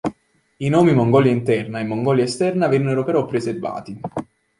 I nomi Mongolia Interna e Mongolia Esterna vennero però preservati.